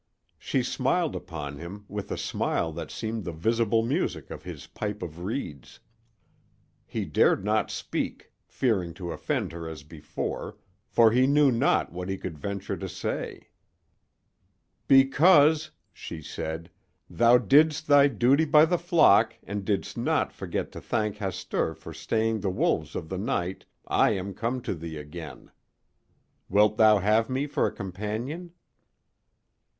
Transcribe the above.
She smiled upon him with a smile that seemed the visible music of his pipe of reeds. He dared not speak, fearing to offend her as before, for he knew not what he could venture to say. "Because," she said, "thou didst thy duty by the flock, and didst not forget to thank Hastur for staying the wolves of the night, I am come to thee again. Wilt thou have me for a companion?"